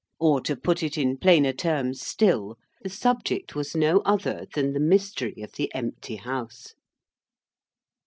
Or, to put it in plainer terms still, the subject was no other than the mystery of the empty House.